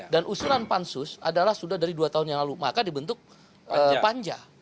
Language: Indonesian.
dan usulan pansus adalah sudah dari dua tahun yang lalu maka dibentuk panja